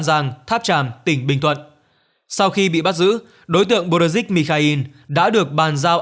giang tháp tràm tỉnh bình thuận sau khi bị bắt giữ đối tượng bosik mikhail đã được bàn giao